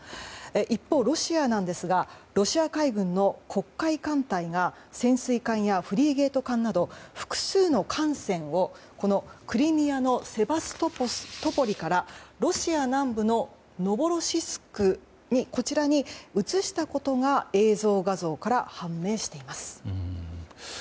一方、ロシアなんですがロシア海軍の黒海艦隊が潜水艦やフリゲート艦など複数の艦船をクリミアのセバストポリからロシア南部のノボロシスクに移したことが映像画像から判明しています。